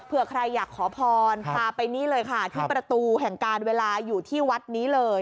เพื่อใครอยากขอพรพาไปนี่เลยค่ะที่ประตูแห่งการเวลาอยู่ที่วัดนี้เลย